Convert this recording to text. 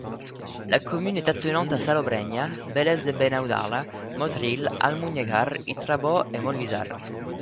La commune est attenante à Salobreña, Vélez de Benaudalla, Motril, Almuñécar, Ítrabo et Molvízar.